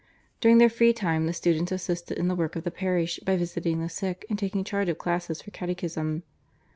During their free time the students assisted in the work of the parish by visiting the sick and taking charge of classes for catechism.